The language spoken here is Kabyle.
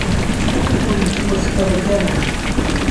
Ur yettwasefrak ara.